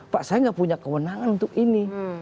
pak saya gak punya kewenangan untuk ini